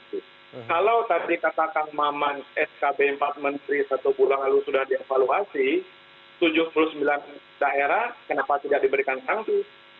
kalau tadi katakan maman skb empat menteri satu bulan lalu sudah dievaluasi tujuh puluh sembilan daerah kenapa tidak diberikan sanksi